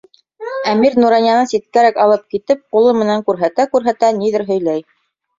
Әмир Нуранияны ситкәрәк алып китеп, ҡулы менән күрһәтә-күрһәтә ниҙер һөйләй.